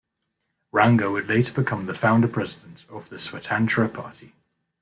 Ranga would later become the founder-president of the Swatantra Party.